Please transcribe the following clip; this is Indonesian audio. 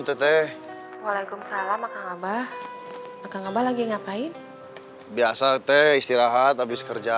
teteh waalaikumsalam maka ngabah akan ngabah lagi ngapain biasa teteh istirahat habis kerja